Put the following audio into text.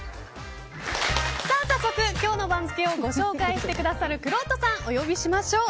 早速、今日の番付をご紹介してくださるくろうとさんをお呼びしましょう。